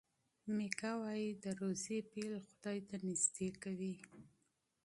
میکا وايي چې د روژې پیل خدای ته نژدې کوي.